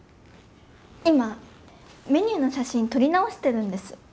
今メニューの写真撮り直してるんです。